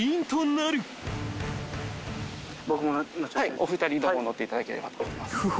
お二人とも乗っていただければと思います。